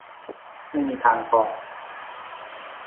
ไม่มีทางพอ